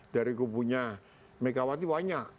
dari kubunya megawati banyak